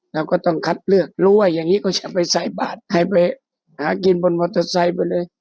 เราก็ต้องคัดเลือกรู้ว่าอย่างนี้ก็จะไปใส่บาทให้ไปหากินบนมอเตอร์ไซค์ไปเลย